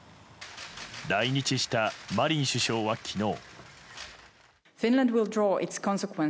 来日したマリン首相は昨日。